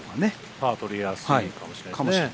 パーを取りやすいかもしれない。